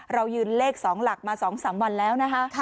เรายืนเลข๒หลักมา๒๓วันแล้วนะคะ